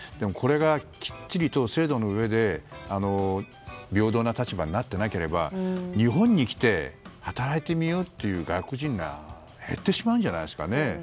これがきっちりと制度のうえで平等な立場になっていなければ日本に来て働いてみようっていう外国人が減ってしまうんじゃないですかね。